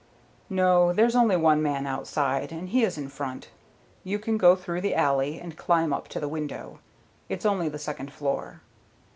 "No. There's only one man outside, and he is in front. You can go through the alley and climb up to the window it's only the second floor.